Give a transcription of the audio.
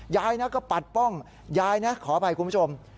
ยายนะก็ปัดป้องยายนะขออภัยคุณผู้ชม